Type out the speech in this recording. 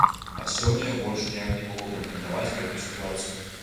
А сёння я больш ніяк не магу каментаваць гэтую сітуацыю.